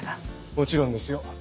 もちろんですよ